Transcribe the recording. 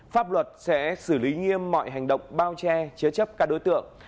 pháp luật sẽ xử lý nghiêm mọi hành động bao che chế chấp các đối tượng